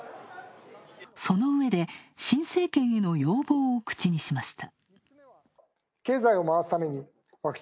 そのうえで、新政権への要望を口にしました。